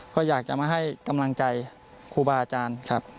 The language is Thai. ก็อยากจะมาให้กำลังใจครูบาอาจารย์ครับ